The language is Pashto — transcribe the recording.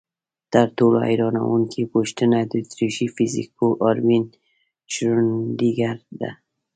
تر ټولو حیرانوونکې پوښتنه د اتریشي فزیکپوه اروین شرودینګر ده.